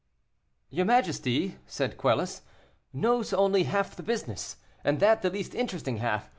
"Your majesty," said Quelus, "knows only half the business, and that the least interesting half.